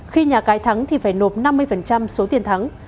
khi nhà cái thắng thì phải nộp năm mươi số tiền thắng